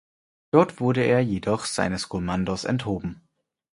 Dort wurde er jedoch seines Kommandos enthoben.